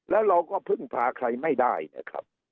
แล้วเราก็พึ่งพาใครไม่ได้นะครับ